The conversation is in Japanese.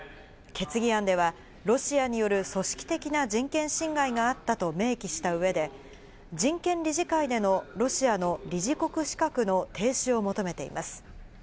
決議案ではロシアによる組織的な人権侵害があったと明記した上で、人権理事会でのロシアの理事国資格の停止を求めています。